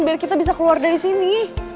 biar kita bisa keluar dari sini